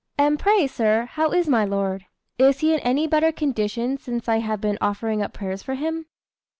"And pray, sir, how is my lord? Is he in any better condition since I have been offering up prayers for him?"